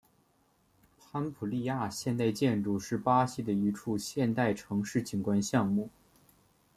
潘普利亚现代建筑是巴西的一处现代城市景观项目。